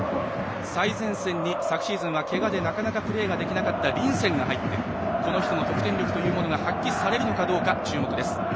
最前線に昨シーズン、けがでなかなかプレーできなかったリンセンが入っていてこの人の得点力というものが発揮されるのかどうか注目です。